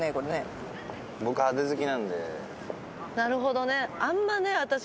なるほどね。